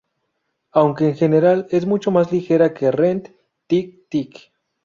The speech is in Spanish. Aunque en general es mucho más ligera que "Rent", "Tick, tick...